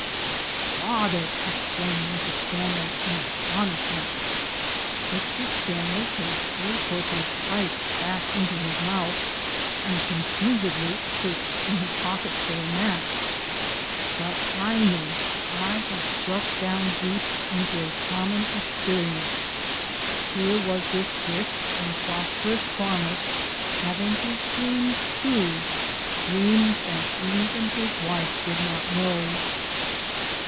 "Why, father!" exclaimed Mrs. Stanley, in astonishment. Mr. Stanley hastily put his pipe back into his mouth and confusedly searched in his pockets for a match; but I knew I had struck down deep into a common experience. Here was this brisk and prosperous farmer having his dreams too dreams that even his wife did not know!